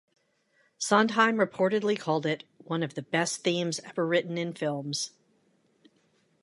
Sondheim reportedly called it "one of the best themes ever written in films".